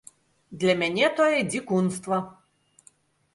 Для мяне тое дзікунства.